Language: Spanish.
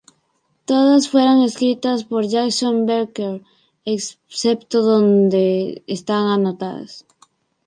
Todas fueron escritas por Jason Becker, excepto donde están anotadas.